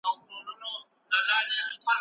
که ته په ډایري کي یادښتونه لیکې نو تل درسره وي.